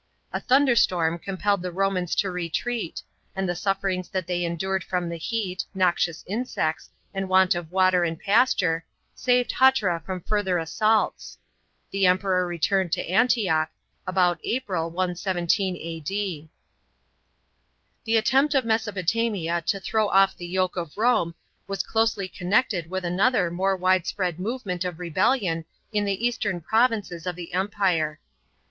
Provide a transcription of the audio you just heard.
A tnunderstonn compelled the Romans to retreat, and the sufferings that they endured from the hear, noxious insects, and want of water and pasture, saved Hatra from further assaults. The Emperor returned to Antioch (about April, 117 A.D.). § 16. The attempt of Mesopotamia to throw off the yoke of Rome was closely connected with another more widespread movement of rebellion in the eastern provinces of the Empire.